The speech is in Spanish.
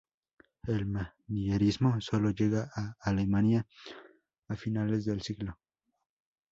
El manierismo sólo llega a Alemania a finales de siglo.